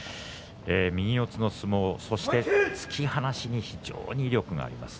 右四つの相撲、そして突き放しに非常に威力があります。